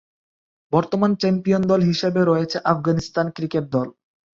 বর্তমান চ্যাম্পিয়ন দল হিসেবে রয়েছে আফগানিস্তান ক্রিকেট দল।